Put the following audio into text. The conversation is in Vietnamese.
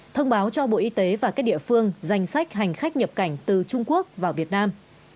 thông báo cho bộ y tế và các địa phương danh sách hành khách nhập cảnh từ trung quốc vào việt nam